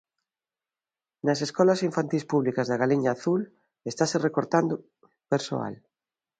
Nas escolas infantís públicas da Galiña Azul estase recortando persoal.